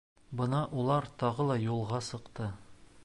Бына улар тағы ла юлға сыҡты.